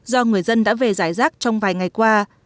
do người dân đã về giải rác trong vài ngày qua